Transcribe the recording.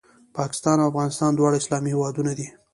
پاکستان او افغانستان دواړه اسلامي هېوادونه دي